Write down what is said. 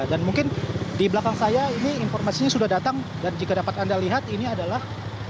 dan mungkin di belakang saya ini informasinya sudah datang dan jika dapat anda lihat ini adalah